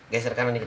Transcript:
geser kanan dikit